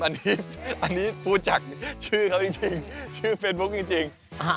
อันนี้พูดจากชื่อเขาจริงชื่อเฟซบุ๊คจริง